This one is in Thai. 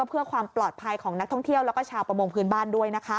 เพื่อความปลอดภัยของนักท่องเที่ยวแล้วก็ชาวประมงพื้นบ้านด้วย